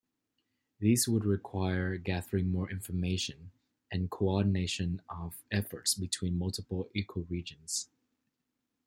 These would require gathering more information, and co-ordination of efforts between multiple ecoregions.